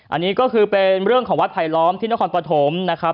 อันีก็คือเป็นเรื่องของวัดถ่ายล้อนที่นครพระธมศ์นะครับ